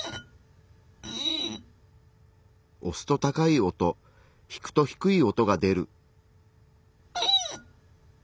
押すと高い音引くと低い音が出る。